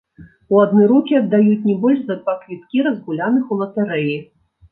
У адны рукі аддаюць не больш за два квіткі, разгуляных у латарэі.